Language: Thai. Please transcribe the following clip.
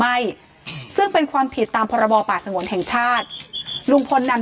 ไม่ซึ่งเป็นความผิดตามพรบป่าสงวนแห่งชาติลุงพลนำ